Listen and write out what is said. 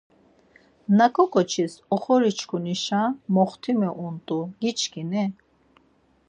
Naǩo ǩoçis oxori-çkunişa moxtimu unt̆u, giçkini?